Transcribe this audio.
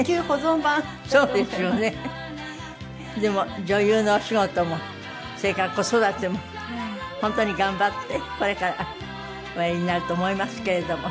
でも女優のお仕事もそれから子育ても本当に頑張ってこれからおやりになると思いますけれども。